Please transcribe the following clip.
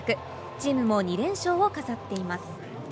チームも２連勝を飾っています。